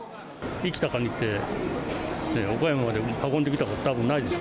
生きたかにって、岡山まで運んできたこと、たぶんないでしょ。